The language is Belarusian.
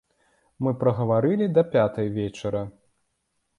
Мы прагаварылі да пятай вечара.